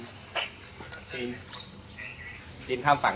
กลีนข้ามฝั่ง